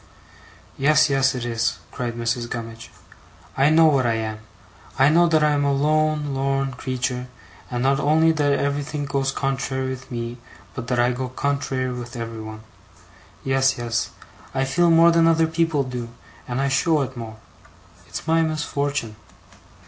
'Yes, yes, it is,' cried Mrs. Gummidge. 'I know what I am. I know that I am a lone lorn creetur', and not only that everythink goes contrary with me, but that I go contrary with everybody. Yes, yes. I feel more than other people do, and I show it more. It's my misfortun'.